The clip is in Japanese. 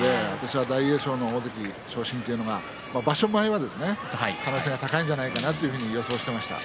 大栄翔の大関昇進というのが場所前は可能性が高いんじゃないかなと予想していました。